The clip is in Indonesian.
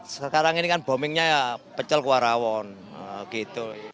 sekarang ini kan bombingnya ya pecel kua rawon gitu